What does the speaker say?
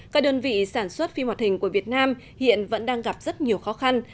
các đơn vị sản xuất phim hoạt hình của việt nam hiện vẫn đang gặp rất nhiều khó khăn